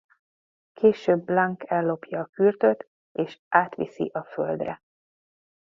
Később Blunk ellopja a Kürtöt és átviszi a Földre.